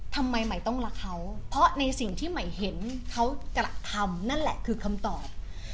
ทำไมใหม่ต้องรักเขาเพราะในสิ่งที่ใหม่เห็นเขากระทำนั่นแหละคือคำตอบ